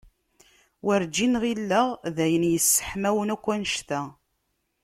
Werǧin ɣilleɣ d ayen yesseḥmawen akk annect-a.